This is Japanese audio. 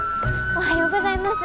おはようございます。